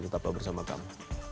tetap bersama kami